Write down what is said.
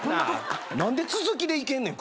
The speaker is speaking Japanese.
何で続きでいけんねん？